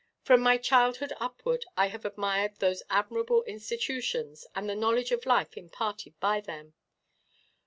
From my childhood upward, I have admired those admirable institutions, and the knowledge of life imparted by them.